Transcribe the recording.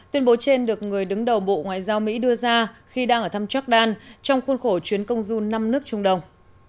tuyên bố trên được người đứng đầu bộ ngoại giao mỹ đưa ra khi đang ở thăm jordan trong khuôn khổ chuyến công du năm nước trung đông